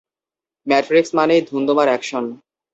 Matrix মানেই ধুন্দুমার action!